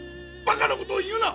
バカなことを言うな！